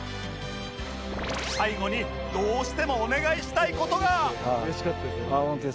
最後にどうしてもお願いしたい事が